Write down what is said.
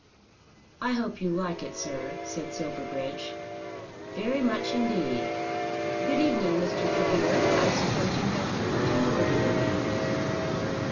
"I hope you like it, sir," said Silverbridge. "Very much indeed. Good evening, Mr. Tregear. I suppose you have to go to your dinner now."